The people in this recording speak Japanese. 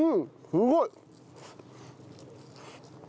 すごい！